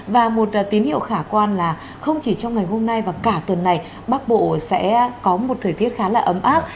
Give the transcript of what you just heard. và một tín hiệu khả quan là không chỉ trong ngày hôm nay và cả tuần này bắc bộ sẽ có một thời tiết khá là ấm áp